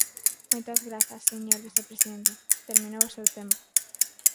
Moitas grazas, señor vicepresidente, terminou o seu tempo.